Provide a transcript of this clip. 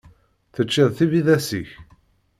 Teččiḍ tibidas-ik?